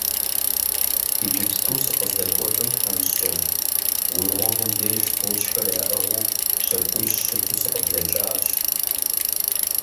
Иджыпсту сыкъыздэкӀуэжым, тхьэмыщкӀэжь, уи гъуэгум деж фочхэр яӀыгъыу щакӀуищ щыту сыкъыблэкӀащ.